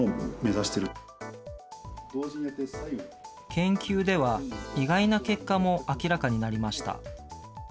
研究では意外な結果も明らかになりました。